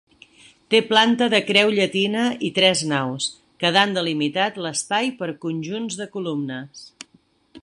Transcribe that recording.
Té planta de creu llatina i tres naus, quedant delimitat l'espai per conjunts de columnes.